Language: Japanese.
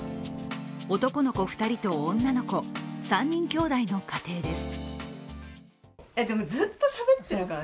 男の子２人と女の子３人きょうだいの家庭です。